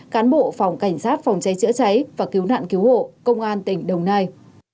cán bộ phòng cảnh sát phòng cháy chữa cháy và cứu nạn cứu hộ công an tỉnh đồng nai